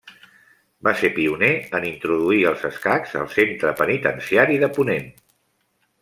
Va ser pioner en introduir els escacs al Centre Penitenciari de Ponent.